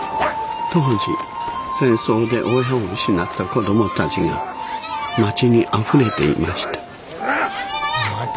当時戦争で親を失った子どもたちが町にあふれていました。